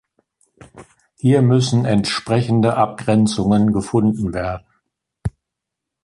Hier müssen entsprechende Abgrenzungen gefunden werden.